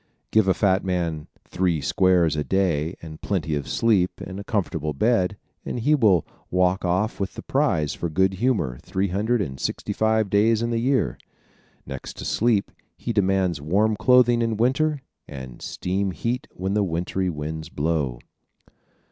Give a fat man "three squares" a day and plenty of sleep in a comfortable bed, and he will walk off with the prize for good humor three hundred and sixty five days in the year. Next to sleep he demands warm clothing in winter and steam heat when the wintry winds blow.